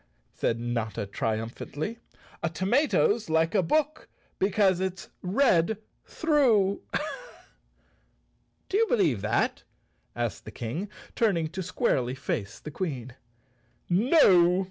said Notta triumphantly. "A tomato's like a book because it's red through." "Do you believe that?" asked the King, turning to squarely face the Queen. "No!"